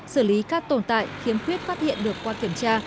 xử lý các tồn tại khiếm khuyết phát hiện được qua kiểm tra